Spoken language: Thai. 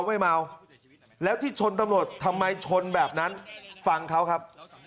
ไม่เมาแล้วที่ชนตำรวจทำไมชนแบบนั้นฟังเขาครับ